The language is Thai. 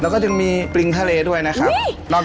แล้วก็ยังมีปริงทะเลด้วยนะครับ